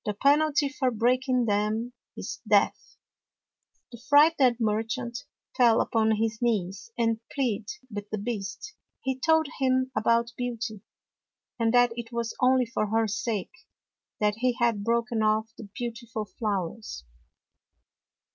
The penalty for breaking them is death! " The frightened merchant fell upon his [ 81 ] FAVORITE FAIRY TALES RETOLD kiiees and plead with the Beast. He told him about Beauty; and that it was only for her sake that he had broken off the beau tiful flowers.